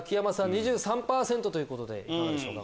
２３％ということでいかがでしょうか？